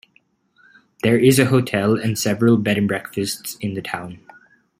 There is a hotel and several bed and breakfasts in the town.